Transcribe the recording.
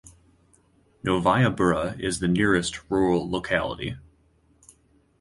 Novaya Bura is the nearest rural locality.